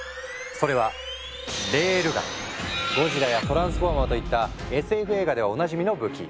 それは「ゴジラ」や「トランスフォーマー」といったＳＦ映画ではおなじみの武器。